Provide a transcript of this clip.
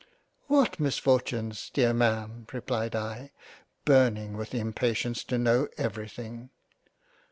" What Misfortunes dear Ma'am ? replied I, burning with impatience to know every thing.